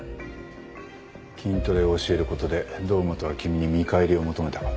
筋トレを教えることで堂本は君に見返りを求めたか？